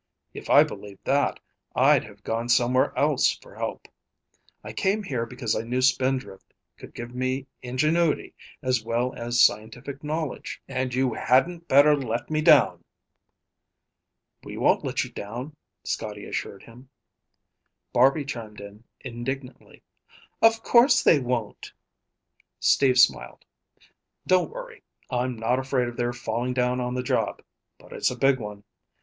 If I believed that, I'd have gone somewhere else for help. I came here because I knew Spindrift could give me ingenuity as well as scientific knowledge. And you hadn't better let me down!" "We won't let you down," Scotty assured him. Barby chimed in indignantly, "Of course they won't." Steve smiled. "Don't worry. I'm not afraid of their falling down on the job. But it's a big one.